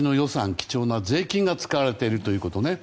貴重な税金が使われているということね。